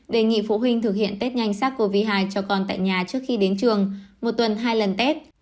đề nghị phụ huynh thực hiện test nhanh sắc covid hai cho con tại nhà trước khi đến trường một tuần hai lần test